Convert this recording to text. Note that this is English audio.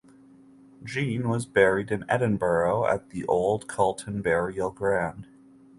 Jean was buried in Edinburgh at the Old Calton Burial Ground.